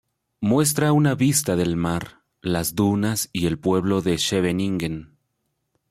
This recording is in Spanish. Muestra una vista del mar, las dunas y el pueblo de Scheveningen.